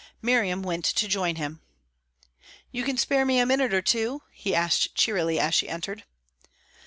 Miriam went to join him. "You can spare me a minute or two?" he asked cheerily, as she entered.